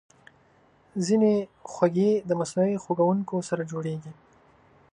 ځینې خوږې د مصنوعي خوږونکو سره جوړېږي.